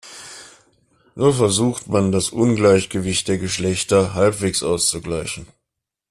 So versucht man, das Ungleichgewicht der Geschlechter halbwegs auszugleichen.